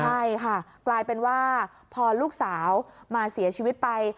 ใช่ค่ะกลายเป็นว่าพอลูกสาวมาเสียชีวิตไป